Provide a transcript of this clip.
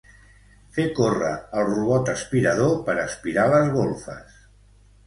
Fer córrer el robot aspirador per aspirar les golfes.